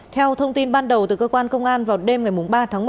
theo thông tin ban đầu từ cơ quan công an vào đêm ngày ba tháng một